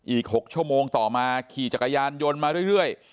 อีก๖ชั่วโมงต่อมาขี่จักรยานยนต์มาเรื่อย